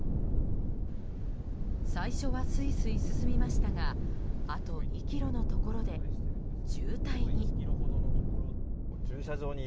最初はすいすい進みましたがあと２ｋｍのところで渋滞に。